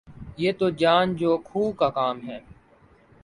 یہ تو جان جو کھوں کا کام ہے